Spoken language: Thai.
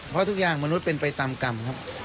เพราะทุกอย่างมนุษย์เป็นไปตามกรรมครับ